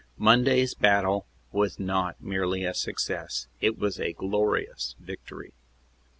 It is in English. Monday s battle was not merely a success; it was a glorious victory."